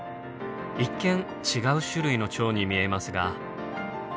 一見違う種類のチョウに見えますが。